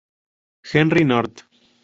Henry North.